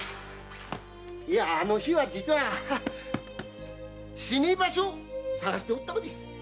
あの日は実は死に場所を探しておったのです。